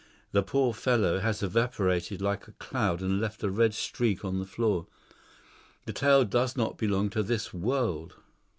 The poor fellow has evaporated like a cloud and left a red streak on the floor. The tale does not belong to this world."